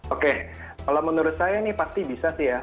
oke kalau menurut saya ini pasti bisa sih ya